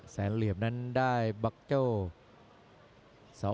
แสนเหลี่ยมนั้นได้บัคเจ้า